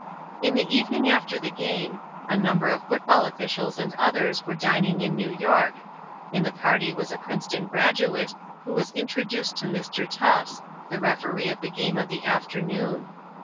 In the evening after the game, a number of football officials and others were dining in New York; in the party was a Princeton graduate, who was introduced to Mr. Tufts, the Referee of the game of the afternoon.